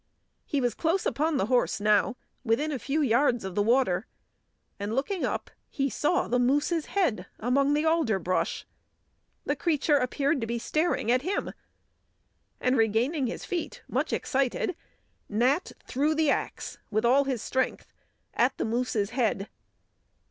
He was close upon the horse now, within a few yards of the water, and looking up, he saw the moose's head among the alder brush. The creature appeared to be staring at him, and regaining his feet, much excited, Nat threw the axe with all his strength at the moose's head.